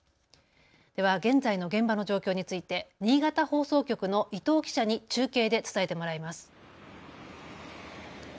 では現在の現場の状況について新潟放送局の伊藤記者に中継で伝えてもらいます。